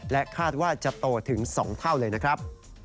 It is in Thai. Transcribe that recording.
คาดว่าจะโตถึง๒เท่าเลยนะครับ